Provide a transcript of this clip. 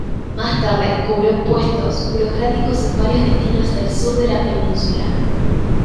Más tarde cubrió puestos burocráticos en varios destinos del sur de la Península.